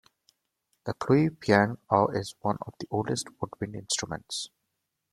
The khlui phiang aw is one of the oldest woodwind instruments.